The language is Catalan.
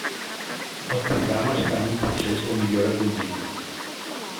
El programa està en un procés de millora contínua.